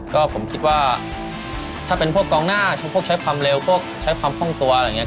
ก็ผมคิดว่าถ้าเป็นพวกกองหน้าพวกใช้ความเร็วพวกใช้ความคล่องตัวอะไรอย่างนี้